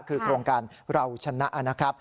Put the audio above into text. คือโครงการเราชนะนะครับ